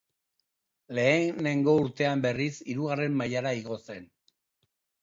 Lehenengo urtean berriz hirugarren mailara igo zen.